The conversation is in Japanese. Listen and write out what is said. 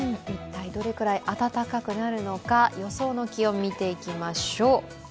一体どれくらい暖かくなるのか予想の気温を見ていきましょう。